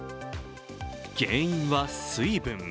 原因は水分。